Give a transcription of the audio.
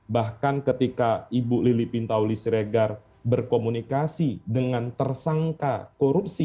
bahkan ketika ibu lili pintauli siregar berkomunikasi dengan tersangka korupsi